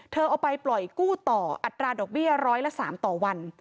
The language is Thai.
เอาไปปล่อยกู้ต่ออัตราดอกเบี้ยร้อยละ๓ต่อวัน